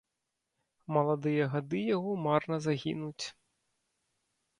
Маладыя гады яго марна загінуць.